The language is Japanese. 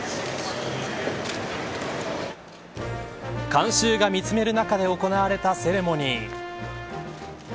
観衆が見つめる中で行われたセレモニー。